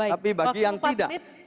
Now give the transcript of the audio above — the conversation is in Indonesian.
tapi bagi yang tidak